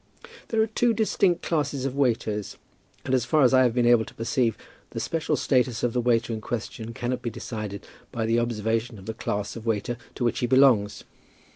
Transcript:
There are two distinct classes of waiters, and as far as I have been able to perceive, the special status of the waiter in question cannot be decided by observation of the class of waiter to which he belongs.